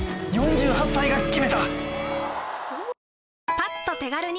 パッと手軽に！